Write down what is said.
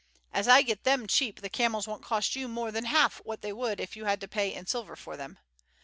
As I get them cheap the camels won't cost you more than half what they would if you had had to pay in silver for them.